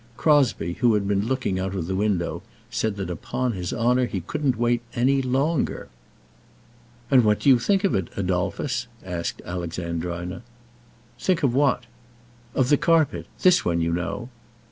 Crosbie, who had been looking out of the window, said that upon his honour he couldn't wait any longer. "And what do you think of it, Adolphus?" asked Alexandrina. "Think of what?" "Of the carpet this one, you know!"